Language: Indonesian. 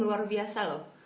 luar biasa loh